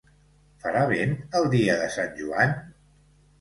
Farà vent el dia de Sant Joan?